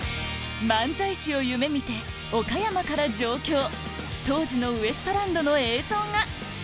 漫才師を夢見て岡山から上京当時のウエストランドの映像が！